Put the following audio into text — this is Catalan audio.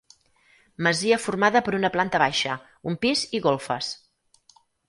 Masia formada per una planta baixa, un pis i golfes.